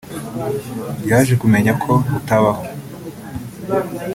Yaje kumenya ko utabaho